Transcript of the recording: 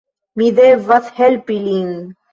Mi devas helpi lin.